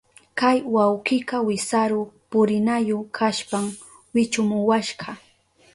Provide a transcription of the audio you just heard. Kay wawkika wisaru purinayu kashpan wichumuwashka.